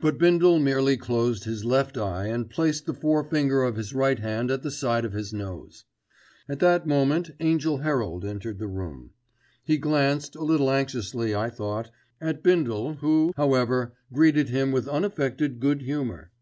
But Bindle merely closed his left eye and placed the forefinger of his right hand at the side of his nose. At that moment Angell Herald entered the room. He glanced, a little anxiously I thought, at Bindle who, however, greeted him with unaffected good humour.